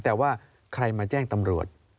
แต่ว่าใครมาแจ้งตำรวจ